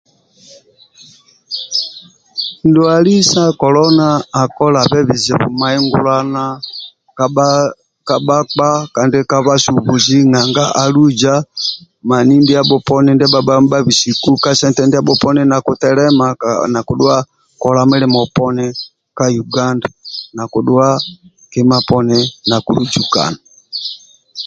Ndwali sa kolona akolabe bizibu mahingulana ka ka ka bhakpa kandi kabhasubuzi nanga aluza mani niabho poni ndia bhabha nibhabisiku ka sente ndiabho poni nakitelema ka nakihua kola mulimo poni ka uganda nakidhua kima poni nakiluzukana